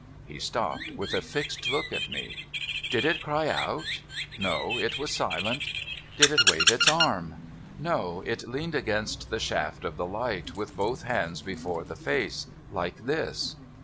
lie stopped, with a fixed look at me. ' Did it cry out ?'' No. It was silent.' ' Did it wave its arm ?'* No. It leaned against the shaft of the light, with both hands before the face. Like this.'